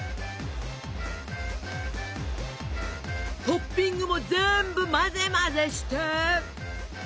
トッピングも全部混ぜ混ぜして！